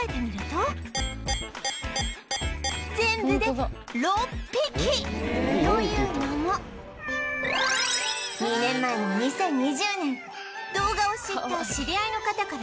というのも２年前の２０２０年動画を知った知り合いの方から譲り受け